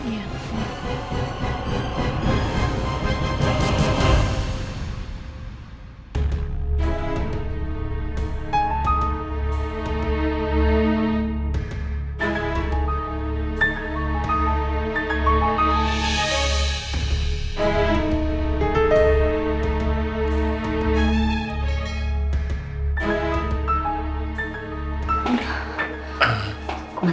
tertale dengan perempuan